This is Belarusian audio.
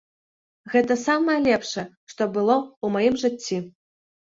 Гэта самае лепшае, што было ў маім жыцці.